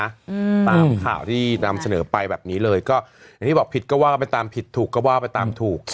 อืมตามข่าวที่นำเสนอไปแบบนี้เลยก็อย่างที่บอกผิดก็ว่าไปตามผิดถูกก็ว่าไปตามถูก